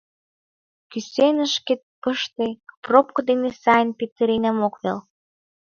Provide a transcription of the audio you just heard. Кӱсенышкет пыште, пробко дене сайын петыренам, ок вел.